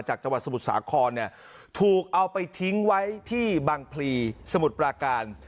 จังหวัดสมุทรสาครเนี่ยถูกเอาไปทิ้งไว้ที่บังพลีสมุทรปราการ